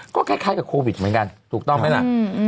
ก็คล้ายกับโควิดเหมือนกันถูกต้องไหมล่ะ